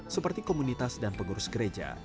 seperti komunitas dan pengurus gereja